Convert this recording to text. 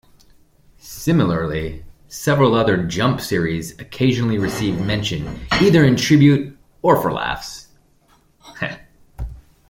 Similarly, several other "Jump" series occasionally receive mention either in tribute or for laughs.